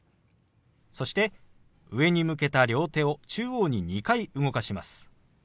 そして上に向けた両手を中央に２回動かします。